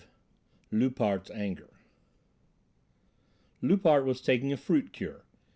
V LOUPART'S ANGER Loupart was taking a fruit cure.